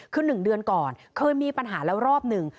คือ๑เดือนก่อนเคยมีปัญหาแล้วรอบหนึ่ง